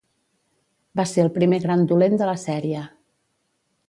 Va ser el primer gran dolent de la sèrie.